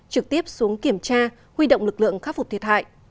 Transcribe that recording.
trực tiếp xuống kiểm tra huy động lực lượng khắc phục thiệt hại